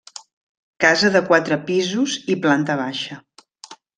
Casa de quatre pisos i planta baixa.